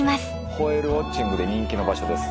ホエールウォッチングで人気の場所です。